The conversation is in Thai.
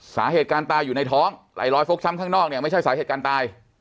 สาเหตุการตายอยู่ในท้องไหล่รอยฟกช้ำข้างนอกเนี่ยไม่ใช่สาเหตุการณ์ตาย